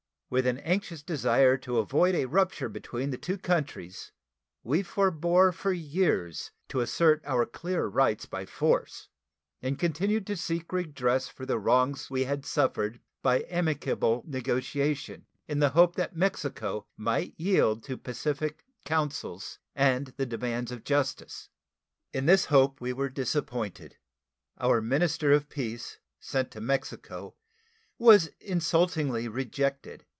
With an anxious desire to avoid a rupture between the two countries, we forbore for years to assert our clear rights by force, and continued to seek redress for the wrongs we had suffered by amicable negotiation in the hope that Mexico might yield to pacific counsels and the demands of justice. In this hope we were disappointed. Our minister of peace sent to Mexico was insultingly rejected.